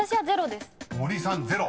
［森さんゼロ］